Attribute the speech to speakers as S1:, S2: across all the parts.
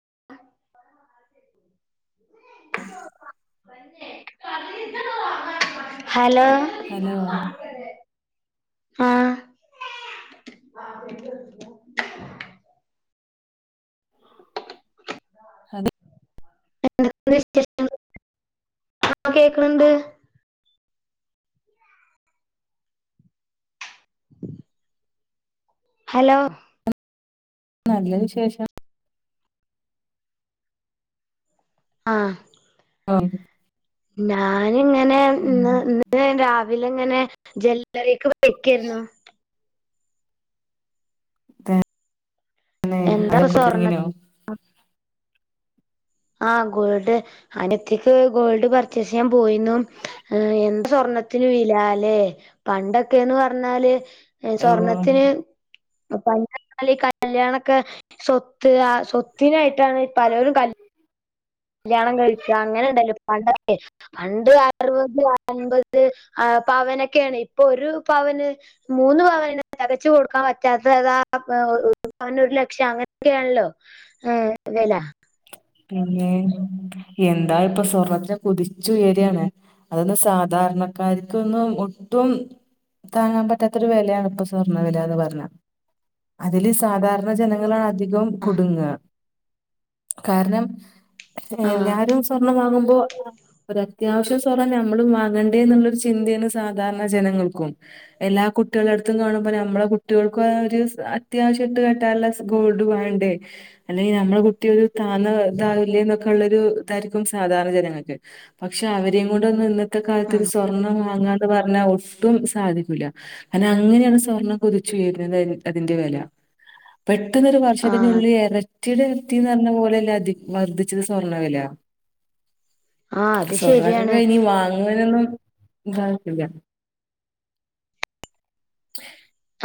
S1: [inaudible] [inaudible]
S2: Hello
S1: ആ [inaudible]
S2: [unintelligible]
S1: എന്തൊക്കെ ണ്ട് വിശേഷം [inaudible] കേക്ക്ണ് ണ്ട് ഹലോ
S2: ന്നല്ല വിശേഷം
S1: ആ
S2: ഒർങി
S1: ഞാന്ങ്ങനെ ന്ന് ന്ന് ഇന്ന് രാവില ങ്ങനെ ജെല്ലറിക്ക് പൊയ്ക്കെര്ന്നു
S2: ന്നേ
S1: എന്താ ഇപ്പൊ
S2: അയ്നൊക്ക
S1: സ്വർണ്ണ
S2: കുത്തർന്നീനോ
S1: ആ ഗോൾഡ് അനിഎത്തിക്ക് ഗോൾഡ് പർച്ചേസ് എയാം പോയിന്നു എന്താ സ്വർണത്തിന് വിലാ ല്ലേ പണ്ടൊക്കേന്ന് പർഞ്ഞാല്
S2: ഓ
S1: സ്വർണത്തിന് പണ്ട്അർഞാല് ഈ കല്ല്യാണൊക്കെ സ്വത്ത് ആ സ്വത്തിനായിട്ടാണ് പലോരും കൽ ല്ല്യാണം കഴിക്ക അങ്ങനണ്ടല്ലോ പണ്ടൊകെ പണ്ട് അർവത് അയ്ബത് പവനൊക്കെണ് ഇപ്പൊ ഒരു പവന് മൂന്ന് പവനന്നെ തികച്ച് കൊടുക്കാം പറ്റാത്താ താ [unintelligible] [unintelligible] പവന് ഒര് ലക്ഷ അങ്ങൻക്കെ ഏണല്ലോ മ് വെല
S2: പിന്നെ എന്താ ഇപ്പം സ്വർണത്തിന് കുതിച്ചു ഉയര്ആണ് അതൊന്ന് സാധാ ധരണക്കാര്ക്ക് ഒന്നും ഒട്ടും താങ്ങാൻ പറ്റാത്തൊരു വിലയാണ് ഇപ്പൊ സ്വർണ്ണ വിലന്ന് പറഞ്ഞ അതില് സാധാരണ ജനങ്ങളാണ് അധികം
S1: ആഹ്
S2: കുടുങ്ങ് കാരണം
S1: ആഹ്
S2: എല്ലാരും സ്വർണം വങ്ങുമ്പോ ഒരത്യാവശ്യം സ്വറ നമ്മളും വാങ്ങണ്ടേ എന്നുള്ളൊരു ചിന്തയാണ് സാധാരണ ജനങ്ങൾക്കും എല്ലാ കുട്ടികളുടെ അടുത്തും കാണുമ്പോ നമ്മളെ കുട്ടികൾക്കും ഒരു അത്യാവശ്യ ഇട്ട് കട്ടാറുള്ള ഗോൾഡ് ണ്ടേ അല്ലെങ്ക നമ്മളെ കുട്ടിയ ഒരു താന്ന ഇതാവില്ലൊക്കെ ഇതായിരിക്കും സാധാരണ ജനങ്ങൾക്ക് പക്ഷെ അവരെയും ക ഒന്ന് ഇന്നത്തെ കാലത്ത്
S1: ആഹ്
S2: സ്വർ അങ്ങാന്ന് പറഞ്ഞാൽ ഒട്ടും സാധിക്കൂല്ല അര അങ്ങനെയാണ് സ്വർണ്ണം കൊതിച്ചുയരുന്നത് അതിന്റെ വ പെട്ടുന്നൊരു
S1: ആഹ്
S2: വർഷത്തിനുള്ളിൽ ഇരച്ചിയുടെ ന്ന് പറഞ്ഞ പോലെയല്ല അധ വർദ്ധിച്ചത് സ്വർണ്ണവില
S1: ആഹ് അത് ശരിയാണ്
S2: സ്വർണക്കൊക്കെ ഇനി വാങ്ങുവനൊന്നും ശര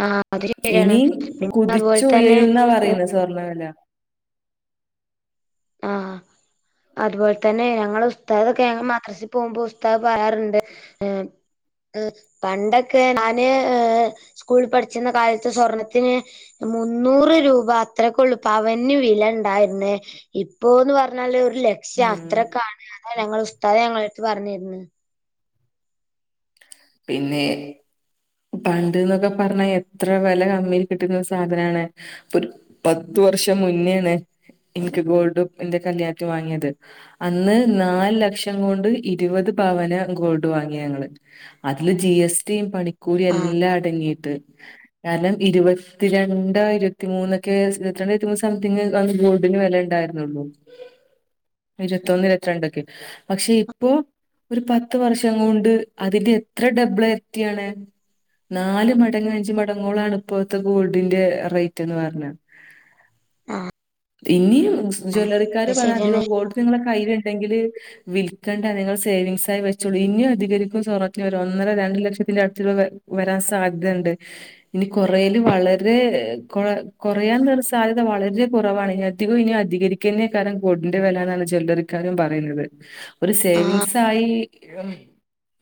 S1: ആഹ് അത് ശരിയാണ്
S2: ഇനി
S1: പിന്നെ അതുപോലെ
S2: കുതിച്ചു ഉയര
S1: തന്നെ
S2: എന്നാ പറയുന്ന സ്വർണ്ണവല
S1: ആഹ അതുപോലെ തന്നെ ഞങ്ങൾ പുസ്താൊക്കെ ഞങ്ങള് മദ്രസി പോകുമ്പോൾ പുസ്താദം പറയാറുണ്ട് പണ്ടൊക്കെ ഞാന് സ്കൂളിൽ പഠിച്ചിര കാലത്ത് സ്വർണത്തിന് മുന്നൂറ് രൂപ അത്രക്കളുപ്പ അവന് വില ഉണ്ടായിുന്നേ ഇപ്പോന്ന് പറഞ്ഞാല് ഒരു ലക്ഷ്യം
S2: ഉം.
S1: അത്രക്കാണ് അതാ ഞങ്ങൾ ഉസ്താദ ഞങ്ങള്ക് പറഞ്ഞിരന്ന്
S2: പിന്നെ പണ്ട്ന്നൊക്കെ പറഞ്ഞാ എത്ര വില കമ്മിൽ കിട്ടുന്ന സാധനാണ് ഒരു ഒരു വർഷം മുന്നോണ് എനിക്ക് ഗോൾഡ് എന്റെ കല്യാണണം വാങ്ങിയത് അന്ന് നാല് ലക്ഷം കൊണ്ട് ഇരുപത് പവന ഗോൾഡ് വാങ്ങിയ ഞങ്ങള് അതില് ജി എസ്ടിയും പണിക്കൂടിയ
S1: ആഹ്
S2: എല്ലാം അടങ്ങിയിട്ട് കാരണം ഇരുപത്തിരണ്ട രണ്ടായിരത്തിമൂന്നൊക്കെ രണ്ടായിരത്തി മൂന്ന് സംതിങ് അന്ന് ഗോൾഡിന് വില ഉണ്ടായിരുന്നുള്ളു ഇരുപത്തൊന്ന് ഇരുപത്തിരണ്ടൊക്കെ പക്ഷെ ഇപ്പൊ ഒരു പത്ത് വർഷം കൊണ്ട് അതിന്റെ എത്ര ഡബ്ള് എത്തിയാണ് നാല് മടങ്ങങ് അഞ്ച മടങ്ങുകളളാണ് ഇപ്പോഴത്തെ ഗോൾഡിന്റെ റേറ്റ് എന്ന് പറഞ്ഞ
S1: [inaudible]
S2: ഇനിയും
S1: അത്
S2: ജ്വല്ലറിക്കാര് വേണം
S1: ശരിയാണ്
S2: അധികം കോടു് നിങ്ങളെ കൈ ങ്കിൽ വിൽക്കേണ്ട നിങ്ങൾ സേവിങ്സ് ആയി വെച്ചുള്ളൂ ഇനിയും അധികരിക്ക സറ ഒ ഒന്നര രണ്ട ലക്ഷത്തിന്റെ അടുത്ത് വരാൻ സാധ്യതുണ്ട് ഇനി കൊറെൽ വളരെ കുറയാൻരു സാധ്യത വളരെ കുറവാണ് ഇതിന അധികം ഇനി അധികരിക്കതിനേക്കാലംഡിന്റെറെ വ ണ് ചിലക്കാരും പറയുന്നത് ഒരു
S1: ആഹ്
S2: സേവിങ്സ് ആയി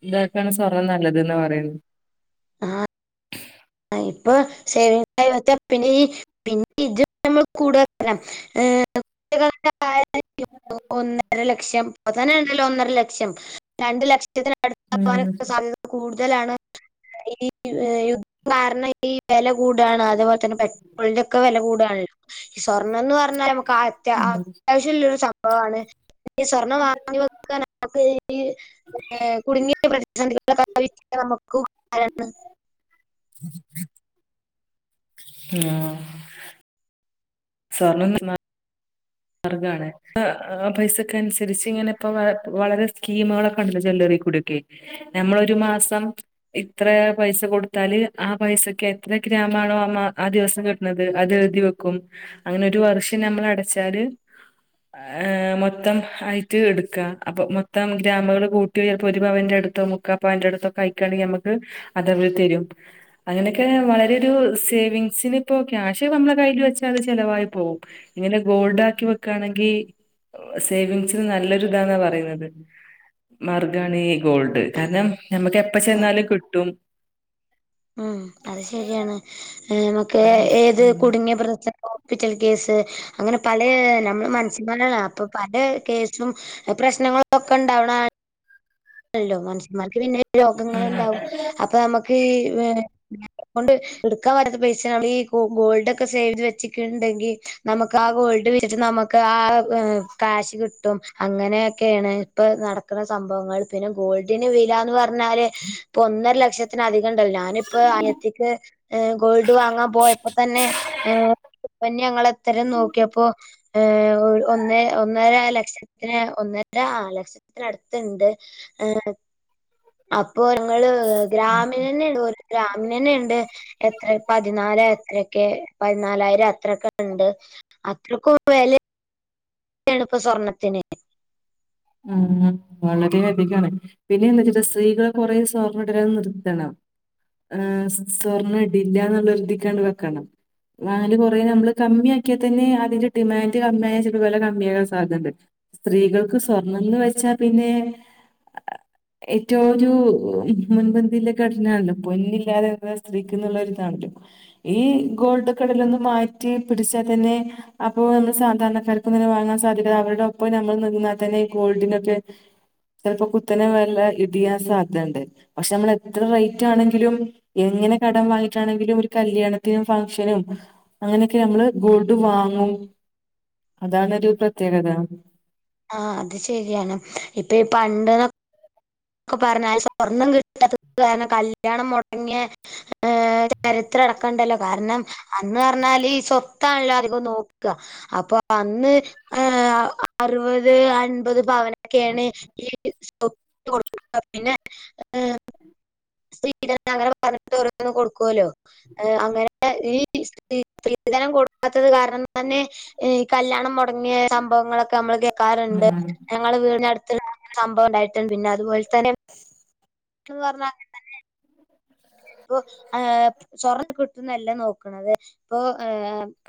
S2: ഇതാക്കാണ് സ്വർണം നല്ലത് ന്നാ പറയുന്നത്
S1: ആഹ ആ ഇപ്പൊ സേവി പി പിന്ന ഇത് നമ്മ കൂടുതൽ കുള ഒന്നര ലക്ഷം അതനെ ഉണ്ടല്ലോ ഒന്നര ലക്ഷം രണ്ട് ലക്ഷം ടുാന
S2: ഉം
S1: സാധ്യത കൂടുതലാണ് ഈ യുദ്ധം കാരണം ഈ വില കൂടാണ് അതുപോലെ തന്നെ പെട്രോളിന്റെ ഒക്കെ വില കൂടാണല്ലോ ഈ സ്വർണ്ണം എന്ന് പറ നമുക്ക് അത്
S2: ഉം
S1: അത്യാവശ്യംുള്ളരു സംഭവമാണ് സ്വർണ്ണം വാങ്ങി വെക്കാൻക്ക് കുടുങ്ങിയ പ്രതിസന്ധികള നമുക്ക് ക
S2: [inaudible] ആഹ സ്വർണം മാർഗ പൈസൊക്കെ അനുസരിച്ച് ഇങ്ങനെ ഇപ്പ വളരെ സ്കീമുകളൊക്കെണ്ടല്ല ചെല്ല നമ്മള ഒരു മാസം ഇത്ര പൈസ കൊടുത്താല് ആ പൈസക്ക് എ ഗ്രാമാണോ ആ ദിവസം കിട്ടുന്നത് അത് എഴുതി വെക്കും അങ്ങനെ ഒരു വർഷം നമ്മട ച്ചറ് ഹ മൊത്തം ആയിട്ട് എടുക്കുക അപ്പൊ മൊത്തം ഗ്രാമുകൾ കൂട്ടി ചിലപ്പോ ഒരു പവന്റെ മുക്കാപവന്റെടുത്തൊക്കെ ആയിനെൽ അത് അവർ തരും അങ്ങനെയൊക്കെ വളരെ സേവിങ്സിന് ഇപ്പോ ക്യാഷ് നമ്മളെ കയ്ൽ വെച്ചാ അത് ചിലവായി പോകവും ഇങ്ങനെ ഗോൾഡ് ആാക്കി വെക്കയാണെങ്കിൽ സേവിങ്സിന് നല്ലൊരു ഇതാന്നാ പറയുന്നത് മാർഗമാണ് ഈ ഗോൾഡ് കാരണം നമ്മുക്ക് എപ്പ ചെന്നാലും കിട്ടും
S1: ഉം അത് ശരിയാണ് നമുക്ക്
S2: അതാ
S1: ഏത് കുടുങ്ങിയ പ്രധിസന്ധി ഹോസ്പിറ്റൽ കേസ് അങ്ങനെ പല നമ്മള് മനഷ്യ ന്മാര അപ്പൊ പല കേസും പ്രശ്നങ്ങളൊക്കെ ഉണ്ടാവണ ല്ലോ മനുഷ്യന്മാർക്ക് പിന്നെ രോഗങ്ങ ഉണ്ടാവും അപ്പൊ നമുക്ക് ഈ അതൊണ്ട് എടുക്കാൻ പറ്റത്ത പൈസ നമ്മ ഈ ഗോൾഡ് ഒക്കെ സേവ് ചെയ്ത് വച്ചിട്ടുണ്ടെങ്കിൽ നമുക്ക് ആ ഗോ ിട്ട് നമുക്ക് ആ കാഷ് കിട്ടും അങ്ങനെയൊക്കെയാണ് ഇപ്പ നടക്കുന്ന സംഭവങ്ങൾ പിന്നെ ഗോൾഡിന് വിലന്ന് പറഞ്ഞാല് ഇപ്പൊ ഒന്നര ലക്ഷ ലക്ഷത്തിന് അധികം ഉണ്ടല്ലോ ഞാനിപ്പോ അനി യത്തിക്ക് ഗോൾഡ് വാങ്ങാൻ പോയപ്പോ തന്നെ പ്പന്യങ്ങ എത്രം നോക്കിയപ്പോ ഒന്ന ഒന്നര ലക്ഷത്തിന് ഒന്ന ആർ ലക്ഷതിന്നു അടുത്തുണ്ട് ഏ അപ്പൊ ങ്ങള്
S2: ഉം
S1: ഗ്രാമീ തന്നെയണ്ട് ഒരു ഗ്രാമീ തന്നെയുണ്ട് എത്ര പതിനാല എത്രൊക്കെ പതിനാലായിരം അത്രൊക്കെ ഉണ്ട് അത്രക്കും വില എണുപ്പ് സ്വർണ്ണത്തിന്
S2: ഉ വളരെ അധിക്കാണ് പിന്നെ എന്താ വെച്ചിട്ട സ്ത്രീകളെ കൊറെ സ്വർണ ഇട്ടന്ന് നിർത്തണം ആർ സ്വർണം ഇടില്ല എന്നുള്ള എരുതിക്കാണ്ട് വെക്കണം വാങ്ങല് കുറ നമ്മള് കമ്മിയ ആക്കിയാൽ തന്നെ അതിന്റെ ഡിമാൻഡ് കമ്മിയായാ ചിലപ്പോ വില കമ്മിയ ആാക്കാൻ സാധ്യുണ്ട് സ്ത്രീകൾക്ക് സ്വർണംന്ന് വെച്ചാ പിന്നെ ഏറ്റവും ഒരു മുൻപന്തിയില ഘടനാണല്ലോ പൊന്നില്ലാതെ സ്ത്രീക്ക് എന്നള്ളരിതാണല്ലോ ഈ ഗോൾഡ്ഒക്കെ ഇടലൊന്ന് മാറ്റി പിടിച്ചാൽ തന്നെ അപ്പോൊന്ന് സാധാരണക്കാർക്ക്ൊ വാങ്ങാൻ സാധിക്ക അവരുടെ ഒപ്പം നമ്മൾ നിങ്ങാൽ തന്നെ ഗോൾഡിനോക്കെ ചിലപ്പോ കുത്തനെ വെല്ല ഇടിയാൻ സാധ്യുണ്ട് പക്ഷെ നമ്മൾ എത്ര റേറ്റ് ആണെങ്കിലും ഇങ്ങനെ കടം വാങ്ങിട്ടാണെങ്കിലും ഒരു കല്യാണത്തിനും ഫംഗഷനും അങ്ങനെയൊക്കെ നമ്മള് ഗോൾഡ് വാങ്ങും അതാണ്ൊരു പ്രത്യേകത
S1: ആഹ അത് ശരിയാണ് ഇപ്പൊ ഈ പണ്ടെന്ന െ പറഞ്ഞ സ്വർണം കിട്ടാത്ത കാരണം കല്യാണം മുടങ്ങിയ ചരിത്ര ണ്ടല്ലോ കാരണം അന്ന് പറഞ്ഞാൽ സ്വത്താണല്ലോ അധികം നോക്ക അ അ ഏ അറുപത് അൻപത് ഭവനൊക്കെയാണ് ഈ പിന്നെ സ്ത്രീക അങ്ങനെ പറഞ്ഞിട്ട് ഓരോന്നും കൊടുക്കുവല്ലോ അങ്ങനെ ഈ സ്ത്രീ സ്ത്രീധനം കൊടുക്കാത്തത് കാരണം തന്നെ കല്യാണം മുടങ്ങിയ സംഭവങ്ങളൊക്കെ നമ്മൾ ക്കാരുണ്ട്
S2: ഉം
S1: ഞങ്ങള് വീടിനടുത്ത് സംഭവം ഉണ്ടായിട്ടുണ്ട് പിന്നെ അതുപോലെ തന്നെ പറഞ്ഞാൽ അങ്ങനെ തന്നെ ആണ് ഇപ്പോ സ്വർണം കിട്ടുന്നതല്ല നോക്കുന്നത് ഏ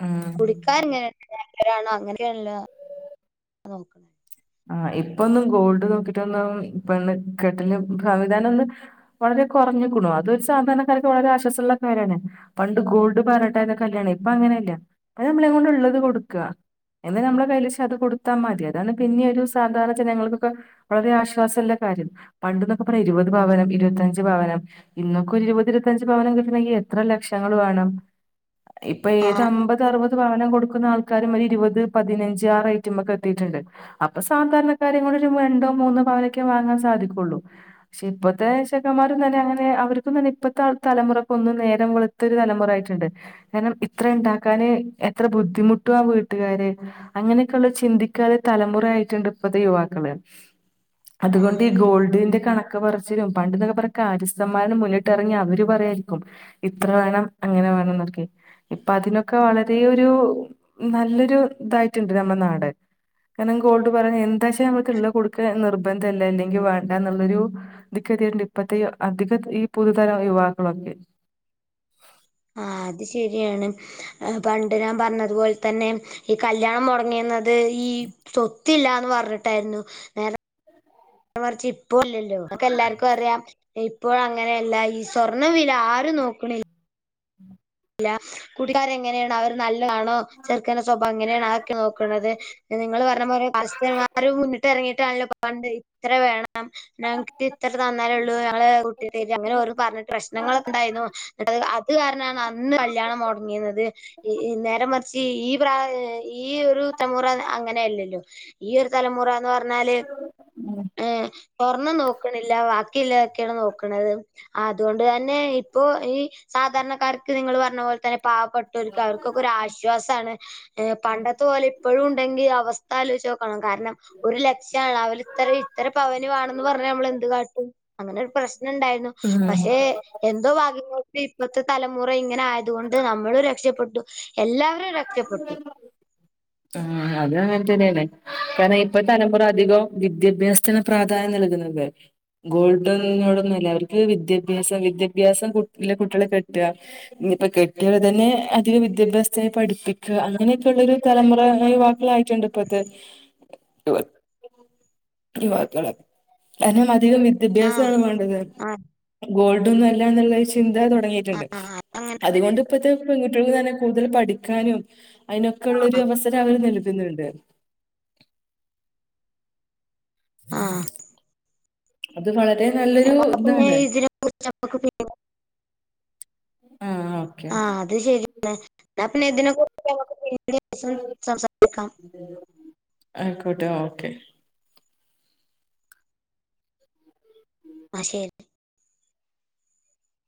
S2: ഉം
S1: കുടിക്കാർങ്ങനെയല്ലരാണോ അങ്ങനണല്ലോ അ നോക്ക്ണ്.
S2: ആഹ് ഇപ്പൊന്നും ഗോൾഡ് നോക്കീട്ടൊന്നും പെണ്ണ് കെട്ടല് സംവിധാനം ഒന്ന് വളരെ കൊറഞ്ഞ്ക്കുണു അതൊരു സാധാരണക്കാര്ക്ക് വളരെ ആശ്വാസള്ള കാര്യാണ് പണ്ട് ഗോൾഡ് പർഞ്ഞ്ട്ടാണ് കല്യാണയ് ഇപ്പ അങ്ങനെ ല്ല്യ അത് നമ്മളെ കൊണ്ട്ള്ളത് കൊടുക്ക എന്നാ നമ്മളെ കയ്യ്ല്ച്ചാ അത് കൊടുത്താ മതി അതാണ് പിന്നി ഒരു സാധാരണ ജനങ്ങൾക്കൊക്കെ വളരെ ആശ്വാസല്ല കാര്യം പണ്ട് ന്നൊക്കെ പറയ ഇരുവത് പവനും ഇരുവ ത്തഞ്ച് പവനം ഇന്നൊക്ക ഒര് ഇരുപത് ഇരുവത്തഞ്ച് പവനം കിട്ടണെങ്കി എത്ര ലക്ഷങ്ങള് വേണം. ഇപ്പൊ
S1: ആ
S2: ഏത് അമ്പത് അറുപത് പവനം കൊടുക്കുന്ന ആൾക്കാരും ഒര് ഇര് വത് പതിനഞ്ച് ആ റേറ്റ്മ്മക്ക് എത്തീട്ട്ണ്ട്. അപ്പൊ സാധാരണക്കാരെ കൊണ്ട് ഒരു രണ്ടോ മൂന്നോ പവനൊക്കേ വാങ്ങാൻ സാധിക്കൊള്ളൂ പക്ഷെ ഇപ്പത്തെ ചെക്കന്മാരും തന്നെ അങ്ങനെ അവർക്കും തന്നെ ഇപ്പത്തെ ആ തലമുറയ്ക്കെന്നും നേരം വെ ളുത്തൊരു തലമുറ ആയിട്ട്ണ്ട് കാരണം ഇത്ര ഇണ്ടാക്കാന് എത്ര ബുദ്ധിമുട്ടും ആ വീട്ടുകാര് അങ്ങനെയൊക്കെള്ള ചിന്തിക്കാതെ തലമുറായിട്ട്ണ്ട് ഇപ്പത്തെ യുവാക്കള്
S1: ആ
S2: അതുകൊണ്ട് ഈ ഗോൾഡിന്റെ കണ ക്ക് പറച്ചിലും പണ്ട്ന്നെക്കെ പറ്യാ കാര്യസ്ഥന്മാരന്നെ മുന്നിട്ടറങ്ങി അവര് പറയാരിക്കും ഇത്രവാണം അങ്ങനെ വാണംന്നൊക്കെ ഇപ്പൊ അതിനൊക്കെ വളരേ ഒരു നല്ലൊരു തായിട്ടുണ്ട് നമ്മനാട്. കാരണം ഗോൾഡ് പറഞ്ഞ് എന്താച്ചാ നമ്മളെടുത്ത് കൊടുക്കാ നിർബന്ധല്ല ഇല്ലെങ്കിവാണ്ടാന്നുള്ളൊരു ഇതിക്കൊര് ണ്ട് ഇപ്പത്തെ ഇ അധികം ഈ പുതുതല യുവാക്കളൊക്കെ
S1: ആഹ് അത് ശരിയാണ് അ പണ്ട് ഞാൻ പറഞ്ഞതുപോൽ തന്നെ ഇ കല്യാണം മൊടങ്ങീന്നത് ഇ ഈ സ്വത്തില്ലാന്ന് പറഞ്ഞിട്ടായിരുന്നു നേര നേരെ മറച്ച് ഇപ്പൊ ഇല്ലല്ലോ നമുക്കെല്ലാർക്കുമറിയാം ഇപ്പോഴ് അങ്ങനെയല്ല ഈ സ്വർണ്ണവില ആരും നോക്കണി ല്ല കൂട്ടുകാരെങ്ങനാണോ അവര് നല്ലാണോ ചെറുക്കൻ്റെ സ്വഭാവം എങ്ങനെയാണ് അതൊക്ക് നോക്കി നോക്കണത് ഇനി നിങ്ങള് പറഞ്ഞപോലെ [unintelligible] മുന്നിട്ടെറങ്ങീ ട്ടാണല്ലോ പണ്ട് ഇത്ര വേണം ഞങ്ങക്ക്ത്ര തന്നാലേള്ളൂ ഞങ്ങളെ കുട്ടീനെ തരാ അങ്ങനെ ഓരോന്ന് പറഞ്ഞ്ട്ട് പ്രശ്നങ്ങളൊക്കെണ്ടായിരുന്നു ഇന്നട്ട് അത് കാരണാണ് അന്ന് ഇന്ന് കല്യാണം മൊടങ്ങീണത് ഇ നേരെ മറിച്ച് ഈ പ്രായ ഈ ഒരു തമുറ അ അങ്ങനെയല്ലല്ലോ ഈ ഒരു തലമുറാന്ന് പറഞ്ഞാല് ഏഹ് സ്വർണ്ണം നോക്ക്ണില്ല ബാക്കിയിള്ളതെക്കേണ് നോക്ക്ണത് അതോണ്ട് തന്നെ ഇപ്പോ ഈ സാധാരണക്കാർക്ക് നിങ്ങള് പറഞ്ഞ പോലെ തന്നെ പാവപ്പെട്ടോൽക്ക് അവർക്കൊക്കെരു ആശ്വാസാണ് ഏഹ് പണ്ടത്തെ പോലെ ഇപ്പോളുണ്ടെങ്കി അവസ് ത്ത ആലോയ്ച്ചോക്കണം കാരണം ഒരു ലക്ഷ്യാണ് അവല് ഇത്ര ഇത്രപവന് വാണെന്ന് പറഞ്ഞാ ഇമ്മളെന്ത് കാട്ടും അങ്ങനെ ഒരു പ്രശ്നണ്ടായിരുന്നു
S2: ഉം
S1: പക്ഷെ എന്തോ ഭാഗ്യങ്ങോണ്ട് ഇപ്പത്തെ തലമുറ ഇങ്ങ് ഇങ്ങനെ ആയത്കൊണ്ട് നമ്മളും രക്ഷപ്പെട്ടു എല്ലാവരും രക്ഷപ്പെട്ടു.
S2: ആഹ് അത് അങ്ങൻതന്നെയാണ് കാരണം ഇപ്പൊ തലമുറ അധികം വിദ്യഭ്യാസത്തിന് പ്രാധാന്യം നൽകുന്നുണ്ട് ഗോൾഡനോടൊന്നു അല്ല അവർക്ക് വിദ്യഭ്യാസം വിദ്യഭ്യാസം കുട്ട് ഇള്ള കുട്ട്യേളെ കെട്ടാ ഇപ്പൊ കെട്ടിയാല് തന്നെ അധിക വിദ്യാഭ്യാസത്തിന് പഠിപ്പിക്കാ അങ്ങനെക്കെള്ളൊരു തലമുറ യുവാക്കളായിട്ടുണ്ട് ഇപ്പത്തെ [unintelligible] യുവാക്കള് കാരണം മ ആധികം
S1: ആഹ്
S2: വിദ്യഭ്യാസാണ് വെണ്ടത്
S1: ആഹ്
S2: ഗോൾഡൊന്നൊല്ലന്നുള്ള ചിന് ദാ തൊടങ്ങീട്ടുണ്ട്
S1: ആഹ് അങ്ങനെ തന്നെ
S2: അതുകൊണ്ട് ഇപ്പത്തെ പെൺകുട്ടൃളു തന്നെ കൂടുതൽ പഠിക്കാനും അയിന് കൊള്ളൊരു
S1: ആഹ്
S2: അവസരം അവര് നൽകുന്നുണ്ട്
S1: ആഹ്
S2: അത് വളരെ നല്ലൊരു
S1: എന്നാ പിന്നെ
S2: ഇതാണ്
S1: ഇതിനെ
S2: ആ ഓക്കെ
S1: ആഹ് അത് ശരിയാണ് എന്നാ പിന്നെ ഇതിനെ കുറിച്ചൊക്കെ അവർക്ക്
S2: ആയിക്കോട്ടെ ഓക്കെ
S1: ആഹ് ശരി